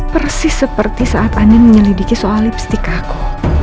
persis seperti saat adin menyelidiki soal lipstick aku